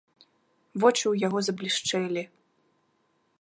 Вочы ў яго заблішчэлі.